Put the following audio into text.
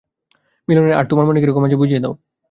মিলনের আর্ট তোমার মনে কিরকম আছে বুঝিয়ে দাও।